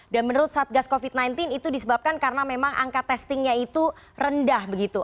dan menurut satgas covid sembilan belas itu disebabkan karena memang angka testingnya itu rendah begitu